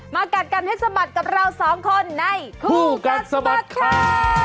กัดกันให้สะบัดกับเราสองคนในคู่กัดสะบัดข่าว